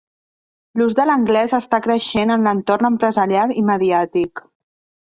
L'ús de l'anglès està creixent en l'entorn empresarial i mediàtic.